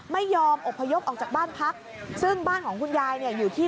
ไม่ยอมอบพยพออกจากบ้านพักซึ่งบ้านของคุณยายเนี่ยอยู่ที่